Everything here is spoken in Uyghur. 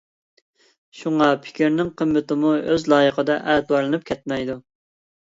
شۇڭا، پىكىرنىڭ قىممىتىمۇ ئۆز لايىقىدا ئەتىۋارلىنىپ كەتمەيدۇ.